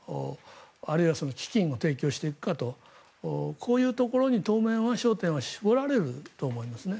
あるいは資金を提供していくかとこういうところに当面は焦点は絞られると思いますね。